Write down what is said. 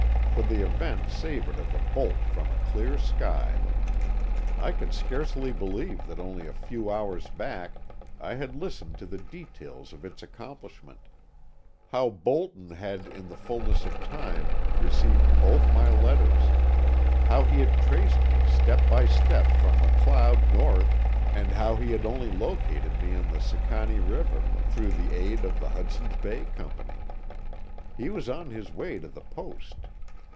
For the event savored of a bolt from a clear sky. I could scarcely believe that only a few hours back I had listened to the details of its accomplishment; how Bolton had in the fullness of time received both my letters; how he had traced me step by step from MacLeod north, and how he had only located me on the Sicannie River, through the aid of the Hudson's Bay Company. He was on his way to the post.